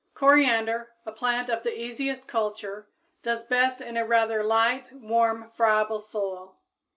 _ Coriander, a plant of the easiest culture, does best in a rather light, warm, friable soil.